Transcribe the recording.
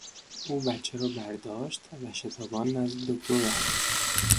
او بچه را برداشت و شتابان نزد دکتر رفت.